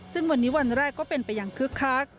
ซึ่งวันนี้วันแรกก็เป็นไปอย่างคึกคัก